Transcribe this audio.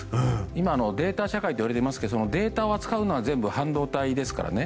今、データ社会ですがデータを扱うのは全部、半導体ですからね。